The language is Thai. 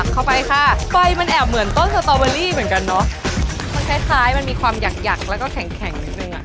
เข้าไปค่ะไฟมันแอบเหมือนต้นสตอเบอรี่เหมือนกันเนอะมันคล้ายคล้ายมันมีความหยักหยักแล้วก็แข็งแข็งนิดนึงอ่ะ